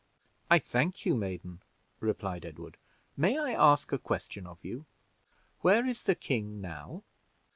"I thank you, maiden," replied Edward. "May I ask a question of you? Where is the king now?"